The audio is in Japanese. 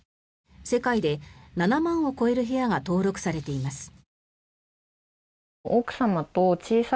世界で７万を超える部屋が登録されています。